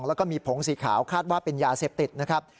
แล้วก็มีผงสีขาวคาดว่าเป็นยาเสพติดนะครับ